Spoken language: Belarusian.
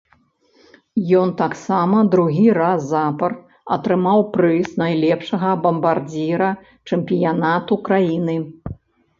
Ён таксама другі раз запар атрымаў прыз найлепшага бамбардзіра чэмпіянату краіны.